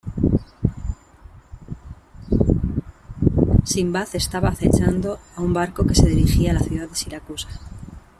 Simbad estaba acechando a un barco que se dirigía a la ciudad de Siracusa.